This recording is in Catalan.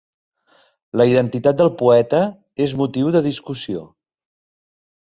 La identitat del poeta és motiu de discussió.